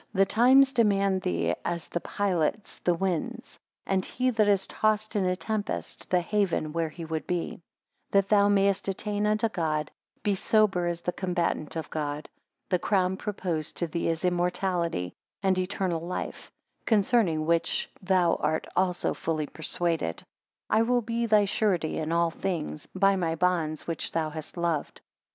11 The times demand thee, as the pilots the winds; and he that is tossed in a tempest, the haven where he would be. 12 That thou mayest attain unto God, be sober as the combatant of God. The crown proposed to thee is immortality, and eternal life: concerning which thou art also fully persuaded. I will be thy surety in all things, by my bonds, which thou halt loved.